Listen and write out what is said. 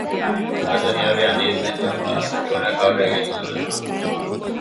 Olatuen neurria handitzen joango da, egunak aurrera egin ahala.